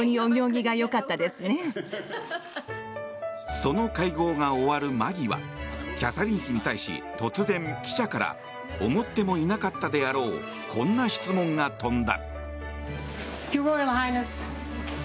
その会合が終わる間際キャサリン妃に対し突然、記者から思ってもいなかったであろうこんな質問が飛んだ。